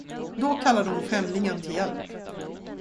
Då kallade hon främlingen till hjälp.